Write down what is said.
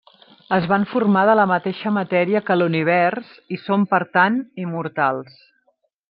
Es van formar de la mateixa matèria que l'univers i són per tant immortals.